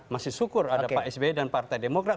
masih syukur ada pak s b dan partai demokrat